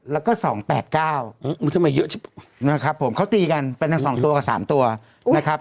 แล้วก็๒๘๙ทำไมเยอะนะครับผมเขาตีกันเป็นทั้ง๒ตัวกับ๓ตัวนะครับ